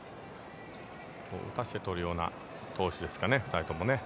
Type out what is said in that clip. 打たせて取るような投手ですかね、２人ともね。